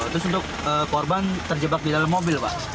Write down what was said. terus untuk korban terjebak di dalam mobil pak